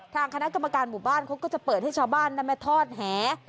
ทางคณะกรรมการหมู่บ้านเขาก็จะเปิดให้ชาวบ้านนำมาทอดแห